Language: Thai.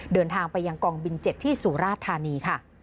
เดินทางไปยังกองบิน๗ที่สุราชธานีค่ะ